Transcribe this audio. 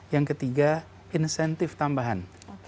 yang ketiga insentif tambahan